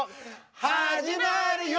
始まるよ！